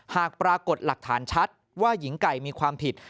หากปรากฏหลักฐานชัดว่าหญิงไก่มีความผิด